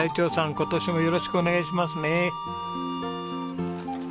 今年もよろしくお願いしますね。